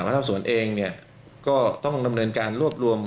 นักสวนเองเนี่ยก็ต้องดำเนินการรวบรวม